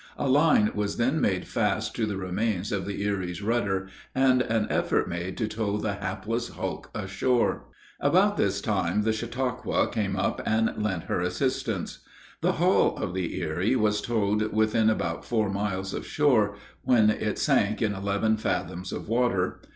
A line was then made fast to the remains of the Erie's rudder, and an effort made to tow the hapless hulk ashore. About this time the Chautauque came up and lent her assistance. The hull of the Erie was towed within about four miles of shore, when it sank in eleven fathoms of water.